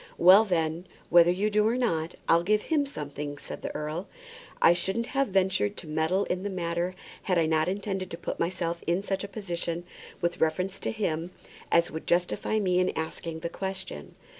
"Well, then, whether you do or not, I'll give him something," said the earl. "I shouldn't have ventured to meddle in the matter had I not intended to put myself in such a position with reference to him as would justify me in asking the question."